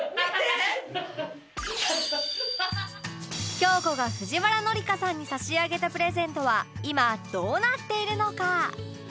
京子が藤原紀香さんに差し上げたプレゼントは今どうなっているのか？